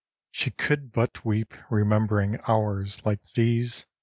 She could but weep, remembering hours Like these.